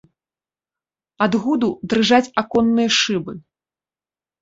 Ад гуду дрыжаць аконныя шыбы.